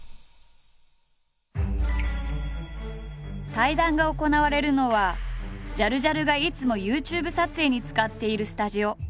対談が行われるのはジャルジャルがいつもＹｏｕＴｕｂｅ撮影に使っているスタジオ。